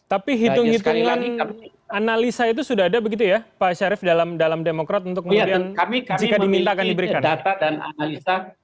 tapi hitung hitungan analisa itu sudah ada begitu ya pak syarif dalam demokrat untuk kemudian jika diminta akan diberikan